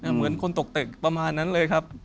เหมือนคนตกตึกประมาณนั้นเลยครับ